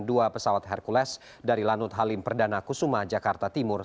dua pesawat hercules dari lanut halim perdana kusuma jakarta timur